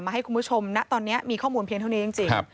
ให้คุณผู้ชมนะตอนนี้มีข้อมูลเพียงเท่านี้จริง